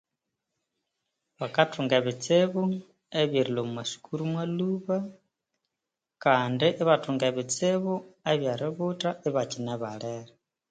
Bakathunga e bitsibu ebyerilhwa omwa maaukuru mwalhuba kandi ibathunga ebitsibu ebyeributha ibakyine balere